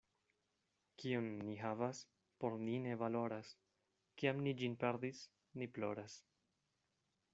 Kion ni havas, por ni ne valoras; kiam ni ĝin perdis, ni ploras.